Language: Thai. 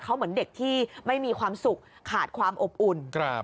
เขาเหมือนเด็กที่ไม่มีความสุขขาดความอบอุ่น